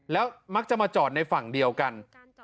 แล้วมักจะมาจอดในฝั่งเดียวกัน